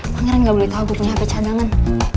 pangeran gak boleh tau gue punya hp cadangan